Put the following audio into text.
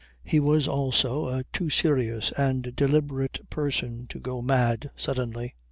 He was also a too serious and deliberate person to go mad suddenly.